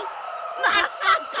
まさか！